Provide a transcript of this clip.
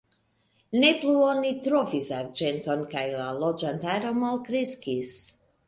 Ne plu oni trovis arĝenton kaj la loĝantaro malkreskis.